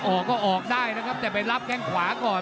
ออกก็ออกได้นะครับแต่ไปรับแข้งขวาก่อน